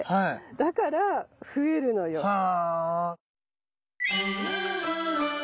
だから増えるのよ。は。